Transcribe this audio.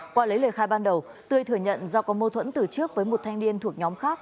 qua lấy lời khai ban đầu tươi thừa nhận do có mâu thuẫn từ trước với một thanh niên thuộc nhóm khác